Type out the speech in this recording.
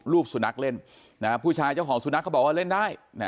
สุนัขเล่นผู้ชายเจ้าของสุนัขเขาบอกว่าเล่นได้